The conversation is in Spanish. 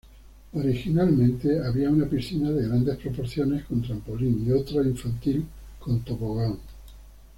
Originalmente había una piscina de grandes proporciones con trampolín y otra infantil con tobogán.